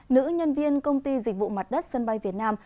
nữ nhân viên công ty dịch vụ mặt đất sân bay việt nam